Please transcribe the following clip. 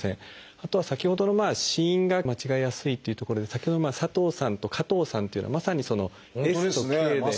あとは先ほどの子音が間違えやすいっていうところで先ほど「佐藤さん」と「加藤さん」っていうのはまさに「Ｓ」と「Ｋ」で。